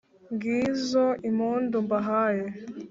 ngizo impundu mbahaye